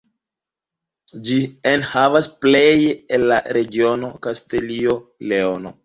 Ĝi enhavas plej el la regiono Kastilio-Leono.